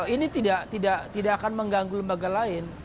ini tidak akan mengganggu lembaga lain